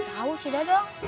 tahu sih dadang